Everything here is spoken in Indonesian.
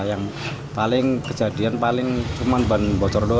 yang paling kejadian paling cuma ban bocor doa